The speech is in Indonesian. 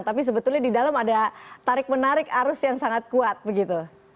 tapi sebetulnya di dalam ada tarik menarik arus yang sangat kuat begitu